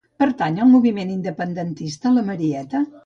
Pertany al moviment independentista la Marieta?